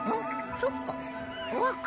そっか。